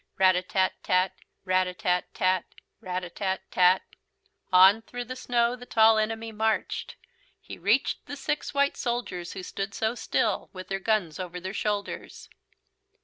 Rat a tat tat. Rat a tat tat. Rat a tat tat. On through the snow the Tall Enemy marched. He reached the six white soldiers who stood so still, with their guns over their shoulders.